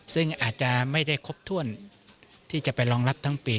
ซึ่งอาจจะไม่ได้ครบถ้วนที่จะไปรองรับทั้งปี